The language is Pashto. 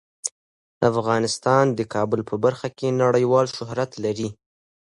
افغانستان د کابل په برخه کې نړیوال شهرت لري.